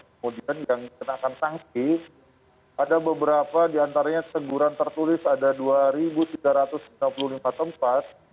kemudian yang dikenakan tangki ada beberapa di antaranya seguran tertulis ada dua tiga ratus enam puluh lima tempat